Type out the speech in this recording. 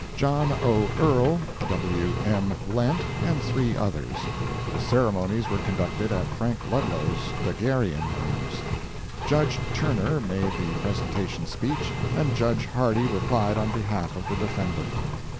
John 0. Earl, W. M. Lent and three others. The ceremonies were conducted at Frank Ludlow's daguerrean rooms. Judge Turner made the presentation speech, and Judge Hardy replied on behalf of the defendant.